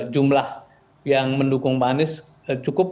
jumlah yang mendukung pak anies cukup